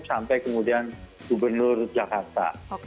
sampai kemudian gubernur jakarta